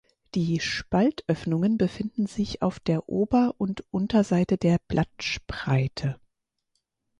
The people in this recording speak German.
Die Spaltöffnungen befinden sich auf der Ober- und Unterseite der Blattspreite.